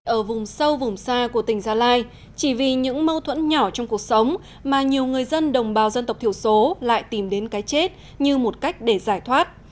ở vùng sâu vùng xa của tỉnh gia lai chỉ vì những mâu thuẫn nhỏ trong cuộc sống mà nhiều người dân đồng bào dân tộc thiểu số lại tìm đến cái chết như một cách để giải thoát